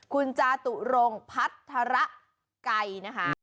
คุณจาตุรงพัทรไทรไก่นะคะ